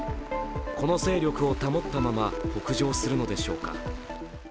この勢力を保ったまま北上するのでしょうか。